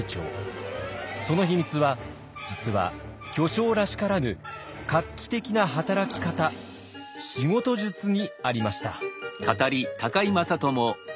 その秘密は実は巨匠らしからぬ画期的な働き方仕事術にありました。